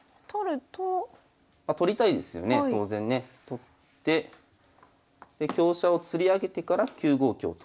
取ってで香車をつり上げてから９五香と。